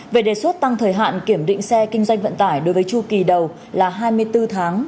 về đề xuất tăng thời hạn kiểm định xe kinh doanh vận tải đối với chu kỳ đầu là hai mươi bốn tháng